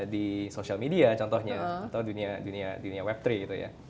di sosial media contohnya atau dunia web tiga gitu ya